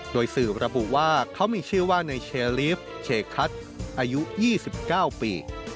โดยสื่อระบุว่าเขามีชื่อว่าในเชลีฟเชคัทอายุ๒๙ปี